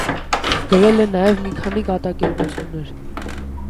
Գրել է նաև մի քանի կատակերգություններ։